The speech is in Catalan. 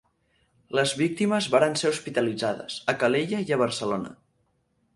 Les víctimes varen ser hospitalitzades, a Calella i a Barcelona.